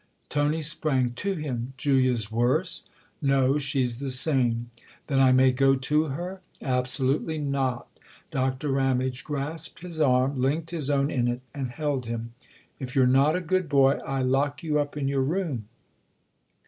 Tony sprang to him. " Julia's worse ?"" No she's the same." " Then I may go to her ?"" Absolutely not." Doctor Ramage grasped his arm, linked his own in it and held him. " If you're not a good boy I lock you up in your room.